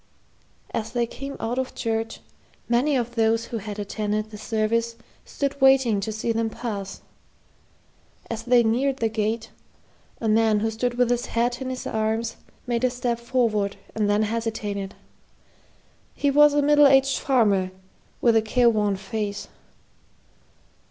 As they came out of church, many of those who had attended the service stood waiting to see them pass. As they neared the gate, a man who stood with his hat in his hand made a step forward and then hesitated. He was a middle aged farmer, with a careworn face.